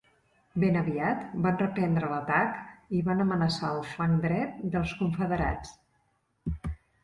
Ben aviat van reprendre l'atac i van amenaçar el flanc dret dels confederats.